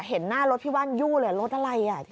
เห็นหน้ารถพี่ว่านยู่เลยรถอะไรอ่ะ